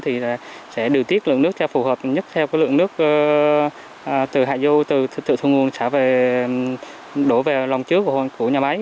thì sẽ điều tiết lượng nước theo phù hợp nhất theo lượng nước từ hạ du từ thượng nguồn xã đổ về lòng trước của nhà máy